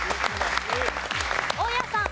大家さん。